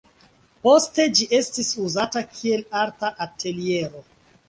Poste ĝi estis uzata kiel art-ateliero.